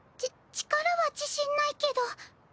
ち力は自信ないけど。